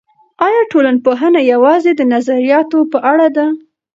ایا ټولنپوهنه یوازې د نظریاتو په اړه ده؟